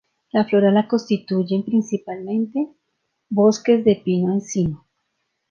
La flora la constituyen principalmente: bosques de pino-encino.